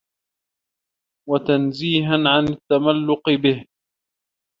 وَتَنْزِيهًا عَنْ التَّمَلُّقِ بِهِ